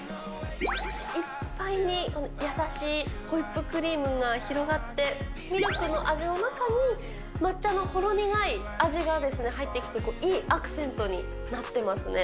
口いっぱいに優しいホイップクリームが広がって、ミルクの味の中に抹茶のほろ苦い味が入ってきて、いいアクセントになってますね。